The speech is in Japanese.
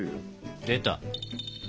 出た。